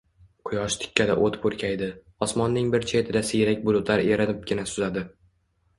Quyosh tikkada oʼt purkaydi. Osmonning bir chetida siyrak bulutlar erinibgina suzadi.